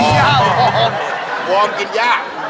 อ่าหว้ออ๋อค่ะ